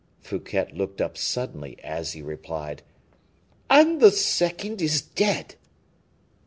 Fouquet looked up suddenly as he replied: "And the second is dead?"